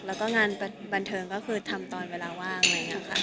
แล้วก็งานบันเทิงก็คือทำตอนเวลาว่างอะไรอย่างนี้ค่ะ